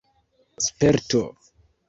sperto